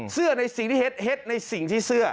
เสื้อในสิ่งที่เฮ็ดเฮ็ดในสิ่งที่เสื้อ